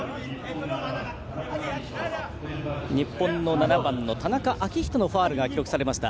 日本の７番、田中章仁のファウルが記録されました。